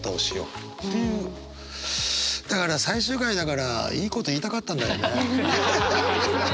だから最終回だからいいこと言いたかったんだよね。